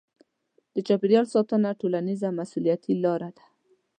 د چاپیریال ساتنه ټولنیزه مسوولیتي لاره ده.